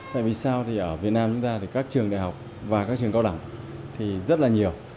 tại vì sao thì ở việt nam chúng ta thì các trường đại học và các trường cao đẳng thì rất là nhiều